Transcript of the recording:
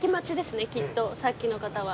さっきの方は。